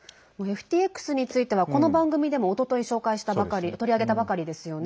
ＦＴＸについてはこの番組でもおととい、紹介したばかり取り上げたばかりですよね。